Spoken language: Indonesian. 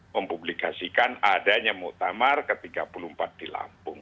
mempublikasikan adanya muktamar ke tiga puluh empat di lampung